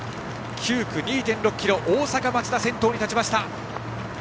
９区、２．６ｋｍ大阪、松田が先頭に立ちました。